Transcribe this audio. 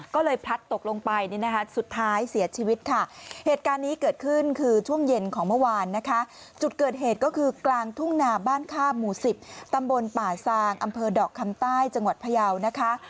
ก็เลยพลัดตกลงไปเนี่ยนะคะสุดท้ายเสียชีวิตค่ะเหตุการณ์นี้เกิดขึ้นคือช่วงเย็นของเมื่อวานนะคะจุดเกิดเหตุก็คือกลางทุ่งนาบ้านข้ามหมู่๑๐ตำบลป่าซางอำเภอดอกคำใต้จังหวัดพยาวนะคะ